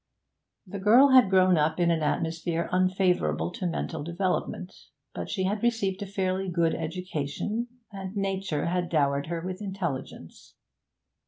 The girl had grown up in an atmosphere unfavourable to mental development, but she had received a fairly good education, and nature had dowered her with intelligence.